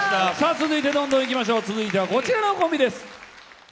続いてはこちらのコンビです。